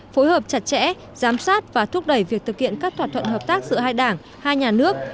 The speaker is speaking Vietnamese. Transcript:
phối hợp chặt chẽ giám sát và thúc đẩy việc thực hiện các thỏa thuận hợp tác giữa hai đảng hai nhà nước